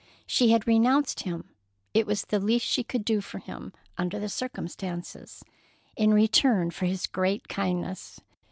She had renounced him. It was the least she could do for him, under the circumstances, in return for his great kindness.